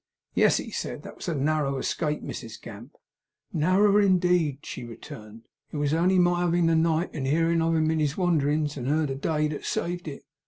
'Yes,' he said. 'That was a narrow escape, Mrs Gamp.' 'Narrer, in deed!' she returned. 'It was only my having the night, and hearin' of him in his wanderins; and her the day, that saved it.